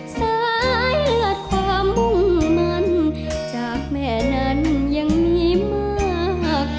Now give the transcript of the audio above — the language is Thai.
สายเลือดความมุ่งมันจากแม่นั้นยังมีมาก